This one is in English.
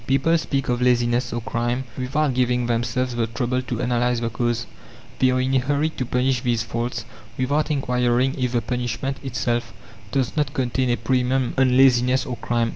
People speak of laziness or crime, without giving themselves the trouble to analyze the cause. They are in a hurry to punish these faults without inquiring if the punishment itself does not contain a premium on "laziness" or "crime."